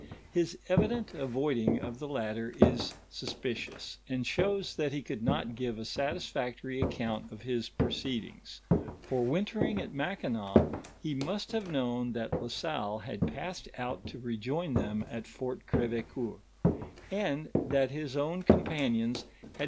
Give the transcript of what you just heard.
His evident avoiding of the latter is suspicions; and shows that he could not give a satisfactory no count of his proceedings; for wintering at Mackinaw, he must have known that La Salle had passed out to rejoin them at Fort Crdvecoeur, and that his own companions had br.